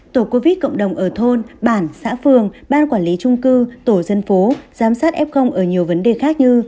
tổ covid cộng đồng ở thôn bản xã phường ban quản lý trung cư tổ dân phố giám sát f ở nhiều vấn đề khác như